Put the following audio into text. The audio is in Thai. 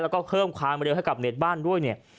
แล้วก็เข้าขาดมาเร็วให้กับเน็ตบ้านด้วย